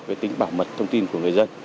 cái tính bảo mật thông tin của người dân